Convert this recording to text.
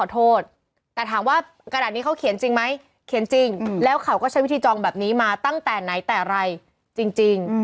แต่ไหนแต่ไรจริง